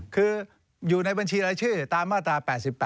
คืออยู่ในบัญชีรายชื่อตามมาตรา๘๘